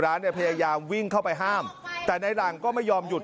เนี่ยพยายามวิ่งเข้าไปห้ามแต่ในหลังก็ไม่ยอมหยุด